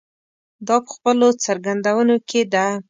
دا په خپلو څرګندونو کې ده.